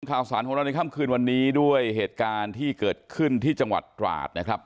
ข่าวสารของเราในค่ำคืนวันนี้ด้วยเหตุการณ์ที่เกิดขึ้นที่จังหวัดตราดนะครับ